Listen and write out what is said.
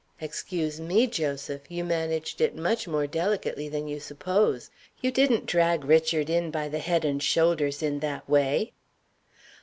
"Excuse me, Joseph. You managed it much more delicately than you suppose. You didn't drag Richard in by the head and shoulders in that way."